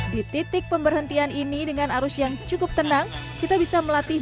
di titik pemberhentian ini dengan arus yang cukup tenang kita bisa melatih